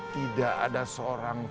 tidak ada seorang